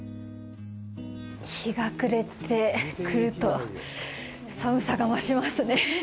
日が暮れてくると、寒さが増しますね。